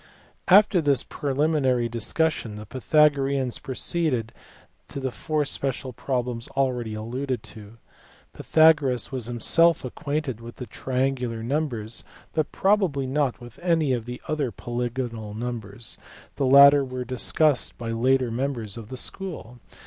After this preliminary discussion the Pythagoreans pro ceeded to the four special problems already alluded to. Pytha goras was himself acquainted with triangular numbers, but probably not with any other polygonal numbers : the latter were discussed by later members of the school.